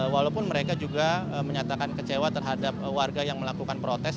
walaupun mereka juga menyatakan kecewa terhadap warga yang melakukan protes